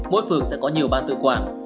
mỗi phường sẽ có nhiều ban tự quản